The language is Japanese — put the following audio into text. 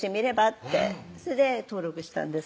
ってそれで登録したんです